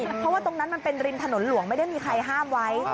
เพราะว่าตรงนั้นมันเป็นริมถนนหลวงไม่ได้มีใครห้ามไว้